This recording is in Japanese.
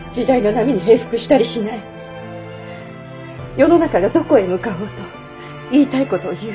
世の中がどこへ向かおうと言いたい事を言う。